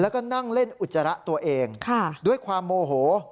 แล้วก็นั่งเล่นอุจจาระตัวเองด้วยความโมโห